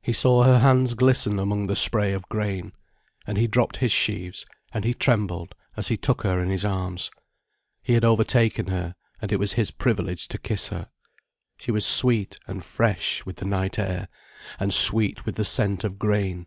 He saw her hands glisten among the spray of grain. And he dropped his sheaves and he trembled as he took her in his arms. He had over taken her, and it was his privilege to kiss her. She was sweet and fresh with the night air, and sweet with the scent of grain.